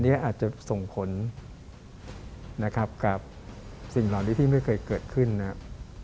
อาจจะส่งผลนะครับกับสิ่งเหล่านี้ที่ไม่เคยเกิดขึ้นนะครับ